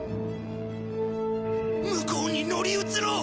向こうに乗り移ろう。